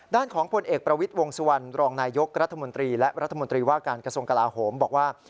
ด้านของผลเอกประวิทย์วงสุวรรณรองนายยกรัฐมนตรีและรัฐมนตรีว่าการกระทรวงกลาโหมบอกว่า